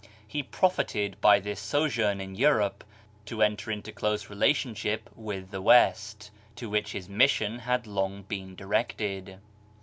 He profited by this sojourn in Europe to enter into close relationship with the West, to which his mission had long been directed.